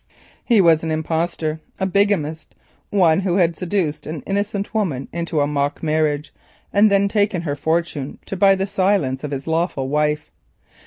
He was an impostor, a bigamist; one who had seduced an innocent woman into a mock marriage and then taken her fortune to buy the silence of his lawful wife.